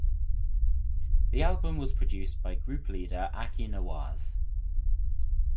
The album was produced by group leader Aki Nawaz.